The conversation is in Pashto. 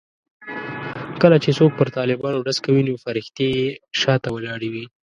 کله چې څوک پر طالبانو ډز کوي نو فرښتې یې شا ته ولاړې وي.